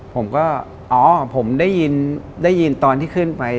ผมก็อ๋อผมได้ยินตอนที่ขึ้นไป